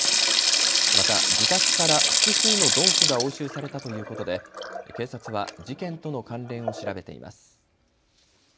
また自宅から複数の鈍器が押収されたということで警察は事件との関連を調べています。